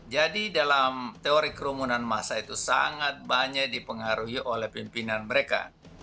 jadi dalam teori kerumunan masa itu sangat banyak dipengaruhi oleh pimpinan mereka